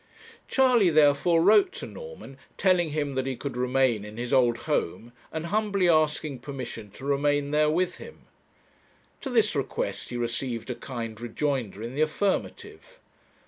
Charley, therefore, wrote to Norman, telling him that he could remain in his old home, and humbly asking permission to remain there with him. To this request he received a kind rejoinder in the affirmative.